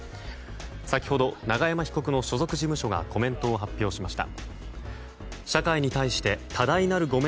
先ほど、永山被告の所属事務所がコメントを発表しました。